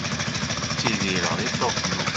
Ttidireɣ deg Tokyo.